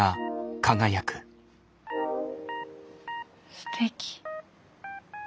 すてき。